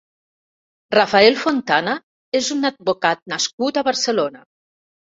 Rafael Fontana és un advocat nascut a Barcelona.